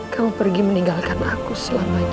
kamu pergi meninggalkan aku selamanya